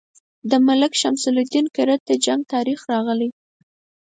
د ملک شمس الدین کرت د جنګ تاریخ راغلی.